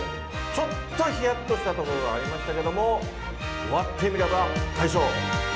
ちょっとひやっとしたところがありましたけども、終わってみれば快勝。